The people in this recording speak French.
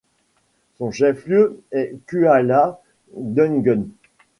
Son chef-lieu est Kuala Dungun.